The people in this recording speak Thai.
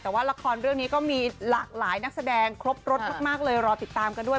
แต่ว่าละครเรื่องนี้ก็มีหลากหลายนักแสดงครบรสมากเลยรอติดตามกันด้วย